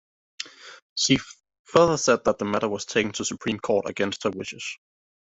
She further said that the matter was taken to Supreme Court against her wishes.